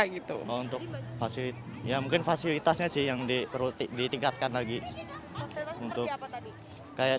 gitu untuk fasilitas ya mungkin fasilitasnya sih yang diperutik ditingkatkan lagi untuk tadi kayak